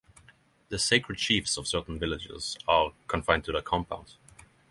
The sacred chiefs of certain villages are confined to their compounds.